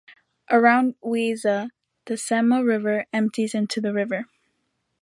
Around Wiesa, the Sehma river empties into the river.